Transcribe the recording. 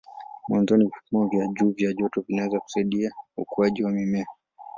Mwanzoni vipimo vya juu vya joto vinaweza kusaidia ukuaji wa mimea.